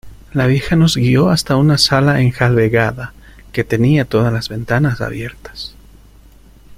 la vieja nos guió hasta una sala enjalbegada, que tenía todas las ventanas abiertas.